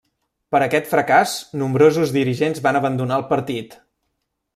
Per aquest fracàs nombrosos dirigents van abandonar el partit.